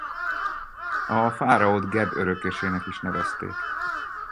A fáraót Geb örökösének is nevezték.